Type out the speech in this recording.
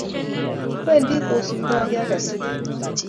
Wendi kosuldoi kiy ake tukul.